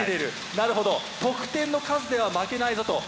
なるほど得点の数では負けないぞと。